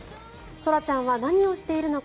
ソラちゃんは何をしているのか。